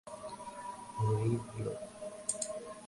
হরি বলো!